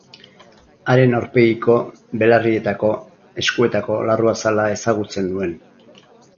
Haren aurpegiko, belarrietako, eskuetako larruazala ezagutzen nuen.